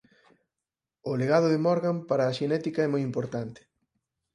O legado de Morgan para a xenética é moi importante.